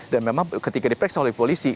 dan memang ketika diperiksa oleh polisi